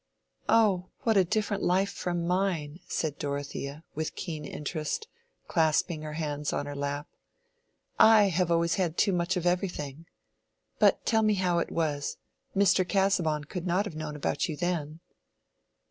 "Ah, what a different life from mine!" said Dorothea, with keen interest, clasping her hands on her lap. "I have always had too much of everything. But tell me how it was—Mr. Casaubon could not have known about you then."